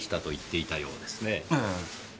ええ。